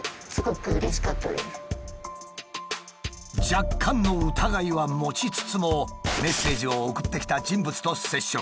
若干の疑いは持ちつつもメッセージを送ってきた人物と接触。